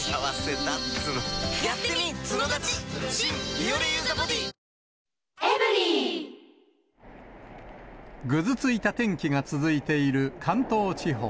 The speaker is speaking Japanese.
三井不動産ぐずついた天気が続いている関東地方。